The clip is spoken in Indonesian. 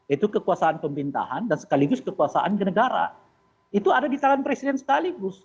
itu kekuasaan pemerintahan dan sekaligus kekuasaan kenegara itu ada di tangan presiden sekaligus